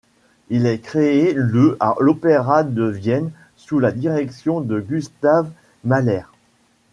Il est créé le à l'Opéra de Vienne sous la direction de Gustav Mahler.